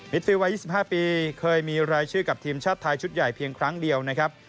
ฟิลวัย๒๕ปีเคยมีรายชื่อกับทีมชาติไทยชุดใหญ่เพียงครั้งเดียวนะครับ